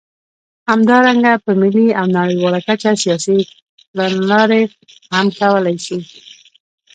همدارنګه په ملي او نړیواله کچه سیاسي کړنلارې هم کولای شي.